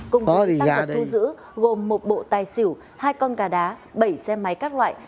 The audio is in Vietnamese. cùng với vật thu giữ gồm một bộ tài xỉu hai con gà đá bảy xe máy các loại